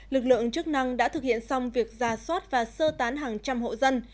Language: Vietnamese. lực lượng chức năng đã thực hiện xong việc ra soát và sơ tán hàng trăm hộ dân